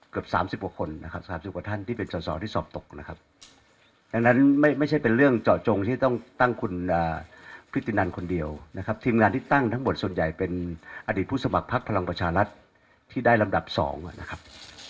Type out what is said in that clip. เกือบ๓๐บวกคนนะครับที่เป็นสอบตกนะครับไม่ใช่เป็นเรื่องเจาะจงที่ต้องตั้งคุณพฤตินันคนเดียวนะครับทีมงานที่ตั้งทั้งหมดส่วนใหญ่เป็นอดีตผู้สมัครภักดิ์พลังประชาลักษณ์ที่ได้ลำดับ๒นะครับ